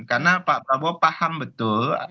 karena pak prabowo paham betul